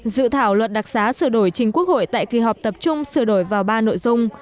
dự thảo luật đặc sá sửa đổi trình quốc hội tại kỳ họp tập trung sửa đổi vào ba nội dung